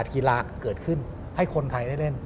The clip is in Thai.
กีฬาเกิดขึ้นให้คนไทยได้เล่น